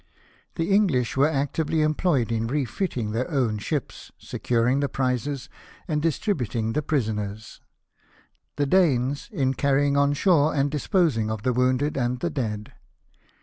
The English were actively em ployed in refitting their own ships, securing the prizes, and distributing the prisoners ; the Danes, in carrying on shore and disposing of the wounded and the dead.